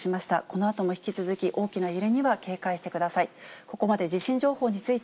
このあとも引き続き、大きな揺れには警戒してください。